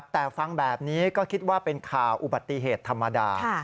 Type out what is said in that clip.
แต่ฟังแบบนี้ก็คิดว่าเป็นข่าวอุบัติเหตุธรรมดา